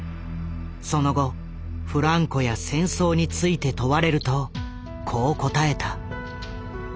その後フランコや戦争について問われるとこう答えた。